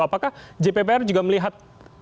apakah jppr juga melihat